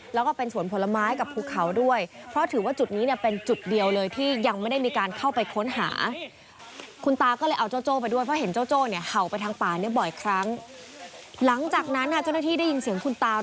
แล้วก็เป็นสวนผลไม้กับภูเขาด้วยเพราะถือว่าจุดนี้เป็นจุดเดียวเลย